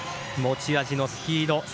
持ち味のスピード。